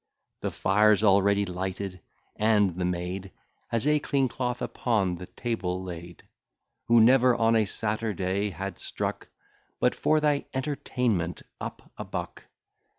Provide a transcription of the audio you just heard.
The fire's already lighted; and the maid Has a clean cloth upon the table laid, Who never on a Saturday had struck, But for thy entertainment, up a buck.